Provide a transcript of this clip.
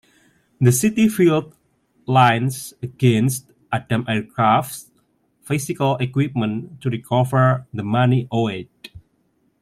The city filed liens against Adam Aircraft's physical equipment to recover the money owed.